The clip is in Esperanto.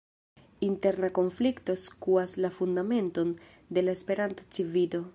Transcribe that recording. Interna konflikto skuas la fundamenton de la Esperanta Civito.